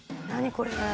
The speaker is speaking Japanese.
これ」